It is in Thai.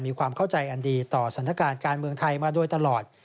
มีความเข้าใจอันดีต่อสถานการณ์การเมืองไทยมาโดยตลอด